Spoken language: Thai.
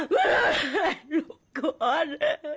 มันร้ายลูกก่อน